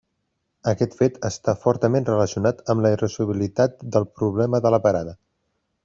Aquest fet està fortament relacionat amb la irresolubilitat del problema de la parada.